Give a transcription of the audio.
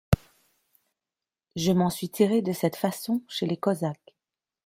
Je m'en suis tiré de cette façon chez les Cosaques.